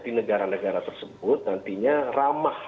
di negara negara tersebut nantinya ramah